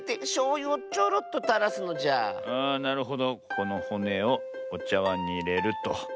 このほねをおちゃわんにいれると。